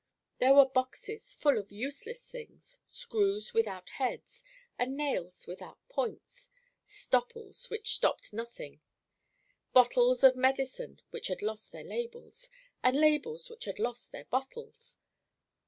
There were boxes full of useless things, screws without heads, and nails without points, stopples which stopped nothing, bottles of medicine which had lost their labels, and labels which had lost their bottles.